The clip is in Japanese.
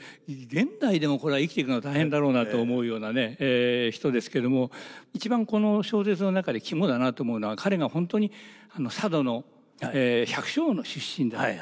現代でもこれは生きていくの大変だろうなと思うような人ですけども一番この小説の中で肝だなと思うのは彼が本当に佐渡の百姓の出身だと。